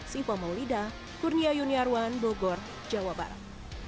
siva maulida kurnia yuniarwan bogor jawa barat